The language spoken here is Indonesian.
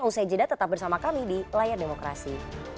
usai jeda tetap bersama kami di layar demokrasi